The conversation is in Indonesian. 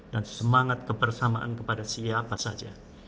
dan semangat kebersamaan kepada manusia